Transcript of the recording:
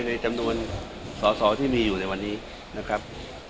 ปลาเครื่องสีวิตหน้าครับ